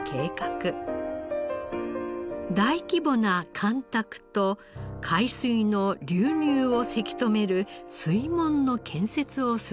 大規模な干拓と海水の流入をせき止める水門の建設を進めました。